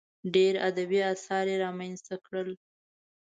ډېر ادبي اثار یې رامنځته کړل.